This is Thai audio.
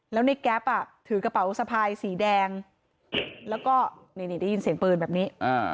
แล้วในแก๊ปถือกระเป๋าสะพายสีแดงแล้วก็นี่ได้ยินเสียงปืนแบบนี้